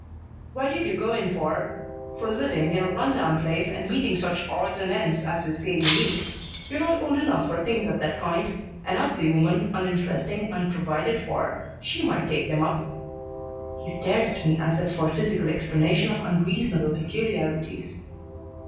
"Why did you go in for for living in a run down place and meeting such odds and ends as they say you meet? You're not old enough for things of that kind. An ugly woman, uninteresting, unprovided for she might take them up." He stared at me as if for physical explanation of unreasonable peculiarities.